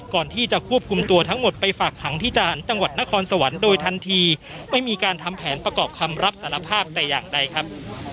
ก่อนที่จะควบคุมตัวทั้งหมดไปฝากขังที่ศาลจังหวัดนครสวรรค์โดยทันทีไม่มีการทำแผนประกอบคำรับสารภาพแต่อย่างใดครับ